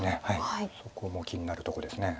そこも気になるとこです。